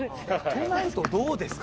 となるとどうですか。